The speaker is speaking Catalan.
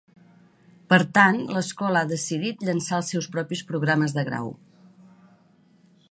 Per tant, l'escola ha decidit llançar els seus propis programes de grau.